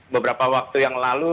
beberapa waktu yang lalu